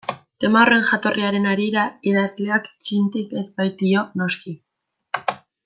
Tema horren jatorriaren harira idazleak txintik ez baitio, noski.